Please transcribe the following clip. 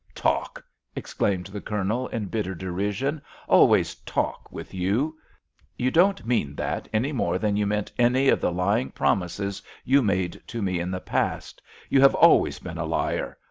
"Talk!" exclaimed the Colonel, in bitter derision; "always talk with you. You don't mean that any more than you meant any of the lying promises you made to me in the past. You have always been a liar!